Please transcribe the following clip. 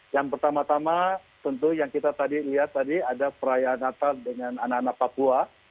yang pertama tama tentu yang kita tadi lihat tadi ada perayaan natal dengan anak anak papua